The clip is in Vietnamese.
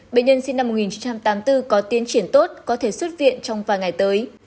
bệnh nhân sinh năm một nghìn chín trăm tám mươi bốn có tiến triển tốt có thể xuất viện trong vài ngày tới